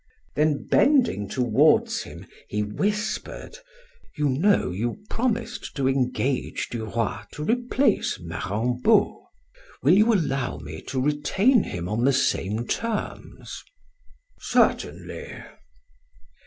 Then bending toward him, he whispered: "You know you promised to engage Duroy to replace Marambot. Will you allow me to retain him on the same terms?" "Certainly."